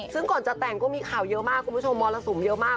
ซึ่งก่อนจะแต่งก็มีข่าวเยอะมากคุณผู้ชมมรสุมเยอะมาก